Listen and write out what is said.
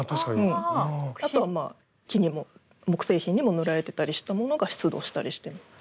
あとは木にも木製品にも塗られてたりしたものが出土したりしてます。